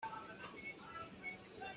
Cabuai le ṭhutdan kha naih hna.